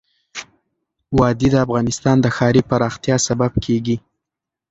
وادي د افغانستان د ښاري پراختیا سبب کېږي.